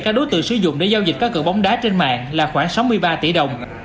các đối tượng sử dụng để giao dịch các cửa bóng đá trên mạng là khoảng sáu mươi ba tỷ đồng